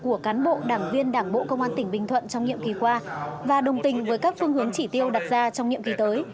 của cán bộ đảng viên đảng bộ công an tỉnh bình thuận trong nhiệm kỳ qua và đồng tình với các phương hướng chỉ tiêu đặt ra trong nhiệm kỳ tới